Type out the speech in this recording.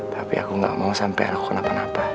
tapi aku nggak mau sampai anak aku kenapa napa